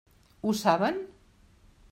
Ho saben?